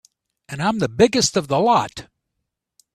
And I'm the biggest of the lot.